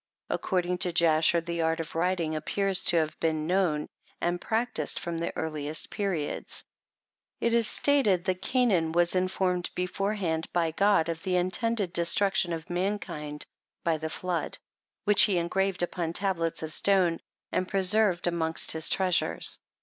According to Jasher, the art of writing appears to have been known and practised from the earliest periods ; it is stated that Cainanwas informed beforehand by God, of the intended destruction of mankind by the flood, which he engraved upon tablets of stone, and preserved amongst his treasures.